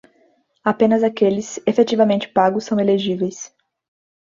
Apenas aqueles efetivamente pagos são elegíveis.